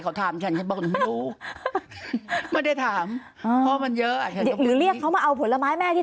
เขาถามฉันไม่ได้ถามพ่อมันเยอะอ่ะหรือเรียกเขามาเอาผลไม้แม่ที่